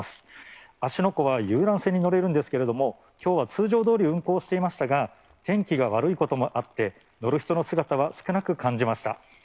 湖は遊覧船に乗れるんですけれども、きょうは通常どおり運航していましたが、天気が悪いこともあって、乗る人の姿は少なく感じました。